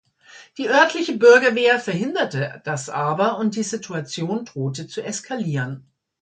Die örtliche Bürgerwehr verhinderte das aber und die Situation drohte zu eskalieren.